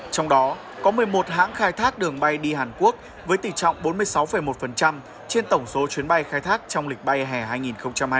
trong đó có một mươi một hãng khai thác đường bay đi hàn quốc với tỷ trọng bốn mươi sáu một trên tổng số chuyến bay khai thác trong lịch bay hẻ hai nghìn hai mươi bốn